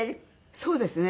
そうですね。